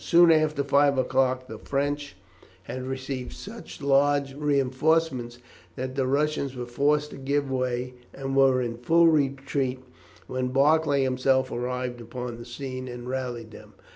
Soon after five o'clock the French had received such large reinforcements that the Russians were forced to give way, and were in full retreat when Barclay himself arrived upon the scene, and rallied them.